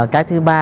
cái thứ ba